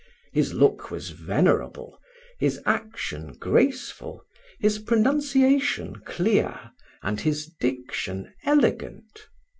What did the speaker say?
His look was venerable, his action graceful, his pronunciation clear, and his diction elegant.